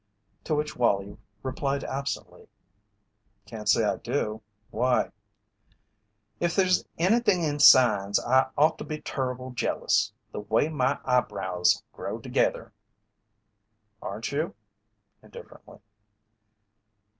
To which Wallie replied absently: "Can't say I do. Why?" "If there's anything in signs I ought to be turrible jealous the way my eyebrows grow together." "Aren't you?" indifferently.